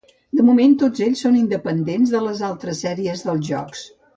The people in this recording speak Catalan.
De moment tots ells són independents de les altres sèries dels jocs.